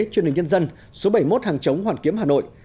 chương trình nhân dân số bảy mươi một hàng chống hoàn kiếm hà nội